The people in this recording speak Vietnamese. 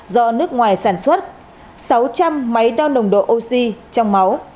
do nước ngoài sản xuất sáu trăm linh máy đo nồng độ oxy trong máu